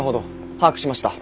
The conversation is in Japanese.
把握しました。